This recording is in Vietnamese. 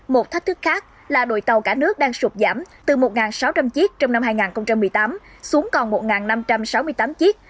một thách thức khác là đội tàu cả nước đang sụp giảm từ một sáu trăm linh chiếc trong năm hai nghìn một mươi tám xuống còn một năm trăm sáu mươi tám chiếc